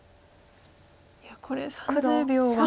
いやこれ３０秒は。